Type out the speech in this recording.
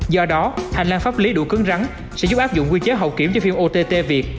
do đó hành lang pháp lý đủ cứng rắn sẽ giúp áp dụng quy chế hậu kiểm cho phim ott việt